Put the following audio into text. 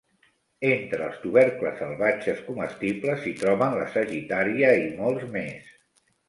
Entre els tubercles salvatges comestibles s'hi troben la sagittaria i molts més.